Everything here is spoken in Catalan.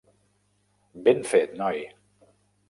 Ben fet, noi!